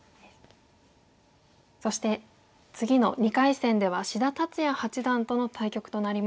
そして次の２回戦では志田達哉八段との対局となります。